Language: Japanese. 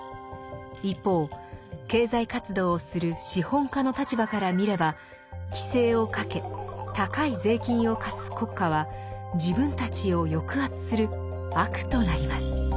一方経済活動をする資本家の立場から見れば規制をかけ高い税金を課す国家は自分たちを抑圧する「悪」となります。